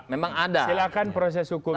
begini pak silahkan proses hukum